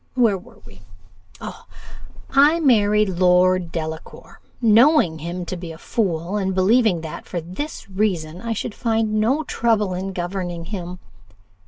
Where were we? O, I married my Lord Delacour, knowing him to be a fool, and believing that, for this reason, I should find no trouble in governing him.